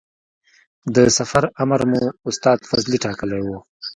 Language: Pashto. د سفر امر مو استاد فضلي ټاکلی و.